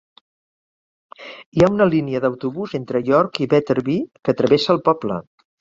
Hi ha una línia d'autobús entre York i Wetherby que travessa el poble.